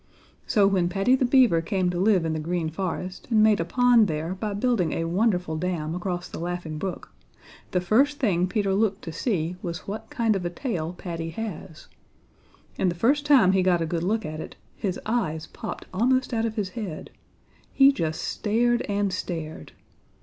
So when Paddy the Beaver came to live in the Green Forest, and made a pond there by building a wonderful dam across the Laughing Brook, the first thing Peter looked to see was what kind of a tail Paddy has, and the first time he got a good look at it, his eyes popped almost out of his head. He just stared and stared.